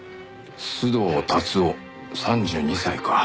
須藤龍男３２歳か。